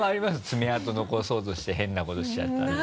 爪痕残そうとして変なことしちゃったの。